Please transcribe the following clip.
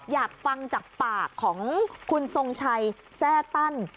อยากฟังจากปากของคุณทรงชัยแทร่ตั้น